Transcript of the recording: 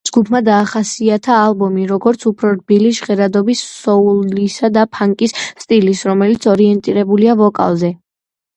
ჯგუფმა დაახასიათა ალბომი, როგორც უფრო რბილი ჟღერადობის, სოულისა და ფანკის სტილის, რომელიც ორიენტირებულია ვოკალზე.